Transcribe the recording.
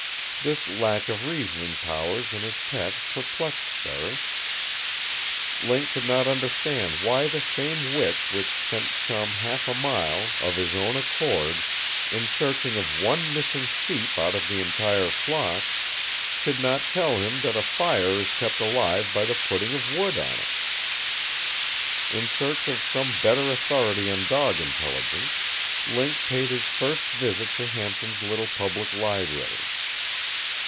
This lack of reasoning powers in his pet perplexed Ferris. Link could not understand why the same wit which sent Chum half a mile, of his own accord, in search of one missing sheep out of the entire flock, should not tell him that a fire is kept alive by the putting of wood on it. In search of some better authority on dog intelligence, Link paid his first visit to Hampton's little public library.